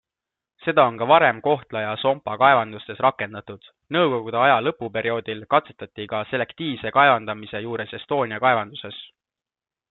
Seda on ka varem Kohtla ja Sompa kaevandustes rakendatud, nõukogude aja lõpuperioodil katsetati ka selektiivse kaevandamise juures Estonia kaevanduses.